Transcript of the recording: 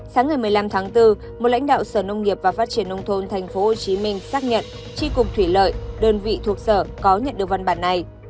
sáng ngày một mươi năm tháng bốn một lãnh đạo sở nông nghiệp và phát triển nông thôn tp hcm xác nhận tri cục thủy lợi đơn vị thuộc sở có nhận được văn bản này